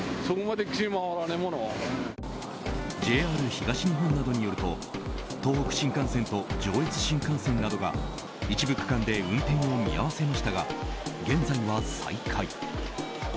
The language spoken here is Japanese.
ＪＲ東日本などによると東北新幹線と上越新幹線などが一部区間で運転を見合わせましたが現在は再開。